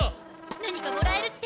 何かもらえるって。